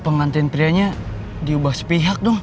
pengantrin prianya diubah sepihak dong